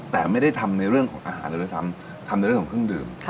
แต่ไม่ได้ทำในเรื่องของอาหารเลยด้วยซ้ำทำในเรื่องของเครื่องดื่ม